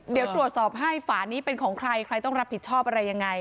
เดี๋ยวตรวจสอบให้ฝานี้เป็นของใครใครต้องรับผิดชอบอะไรยังไง